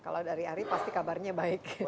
kalau dari ari pasti kabarnya baik